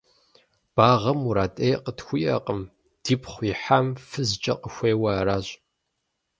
Багъым мурад Ӏей къытхуиӀэкъым, дипхъу ихьам фызкӀэ къыхуейуэ аращ.